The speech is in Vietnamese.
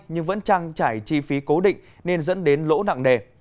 nhưng vẫn chẳng trải chi phí cố định nên dẫn đến lỗ nặng đề